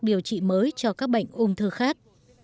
điều trị mới cho các bệnh ung thư khác